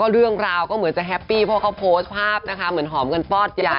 เรื่องราวก็เหมือนจะแฮปปี้เพราะเขาโพสต์ภาพนะคะเหมือนหอมกันฟอดยา